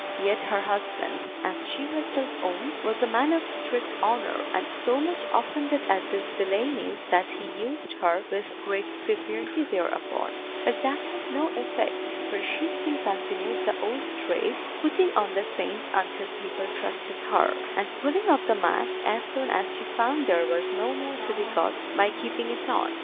Yet her husband (as she herself owned) was a man of strict honour, and so much offended at these villainies that he used her with great severity thereupon, but that had no effect, for she still continued the old trade, putting on the saint until people trusted her, and pulling off the mask as soon as she found there was no more to be got by keeping it on.